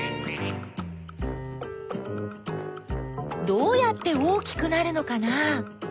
どうやって大きくなるのかな？